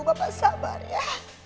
bapak sabar ya